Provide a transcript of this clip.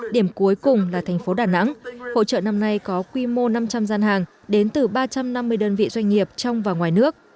điểm cuối cùng là thành phố đà nẵng hội trợ năm nay có quy mô năm trăm linh gian hàng đến từ ba trăm năm mươi đơn vị doanh nghiệp trong và ngoài nước